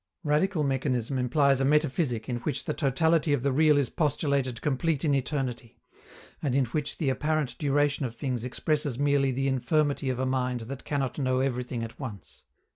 Radical mechanism implies a metaphysic in which the totality of the real is postulated complete in eternity, and in which the apparent duration of things expresses merely the infirmity of a mind that cannot know everything at once.